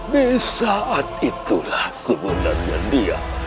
di saat itulah sebenarnya dia